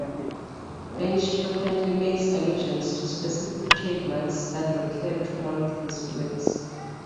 Lynch frequently makes allusions to specific trademarks that recur throughout his films.